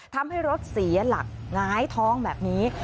ทำให้รถเสียหลักหงายท้องแบบนี้